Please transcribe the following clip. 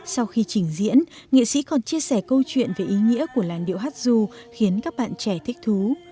sau khi trình diễn nghệ sĩ còn chia sẻ câu chuyện về ý nghĩa của làn điệu hát du khiến các bạn trẻ thích thú